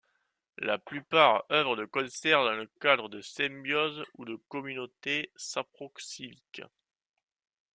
La plupart œuvrent de concert dans le cadre de symbioses ou de communautés saproxyliques.